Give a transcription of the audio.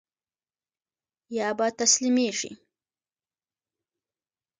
يا به تسليمېږي.